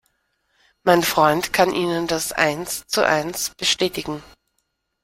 Mein Freund kann Ihnen das eins zu eins bestätigen.